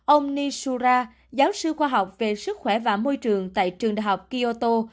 ông nishura giáo sư khoa học về sức khỏe và môi trường tại trường đại học kyoto